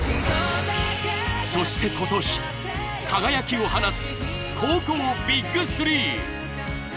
そして今年、輝きを放つ高校ＢＩＧ３。